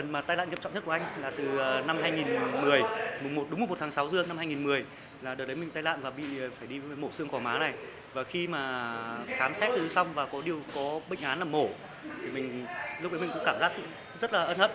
một xương gò má này và khi mà khám xét xong và có điều có bệnh án là mổ lúc đấy mình cũng cảm giác rất là ân hận